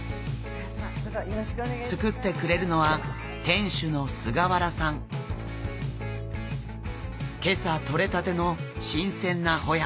作ってくれるのは今朝とれたての新鮮なホヤ。